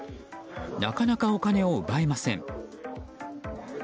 なかなかお金を奪えません。